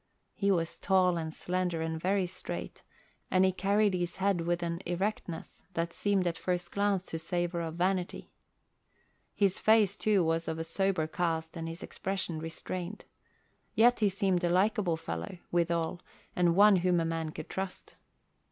He was tall and slender and very straight, and he carried his head with an erectness that seemed at first glance to savour of vanity. His face, too, was of a sober cast and his expression restrained. Yet he seemed a likable fellow, withal, and one whom a man could trust.